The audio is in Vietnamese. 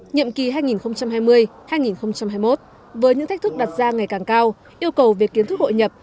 nhiệm kỳ hai nghìn hai mươi hai nghìn hai mươi một với những thách thức đặt ra ngày càng cao yêu cầu về kiến thức hội nhập